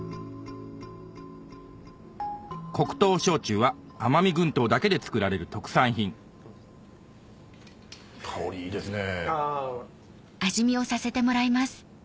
黒糖焼酎は奄美群島だけで造られる特産品香りいいですね。